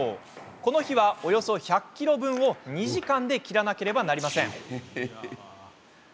この日は、およそ１００ｋｇ分を２時間で切らなければなりません。